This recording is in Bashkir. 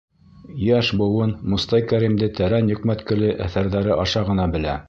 Йәш быуын Мостай Кәримде тәрән йөкмәткеле әҫәрҙәре аша ғына белә.